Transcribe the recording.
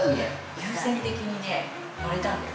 優先的に乗れたんだよ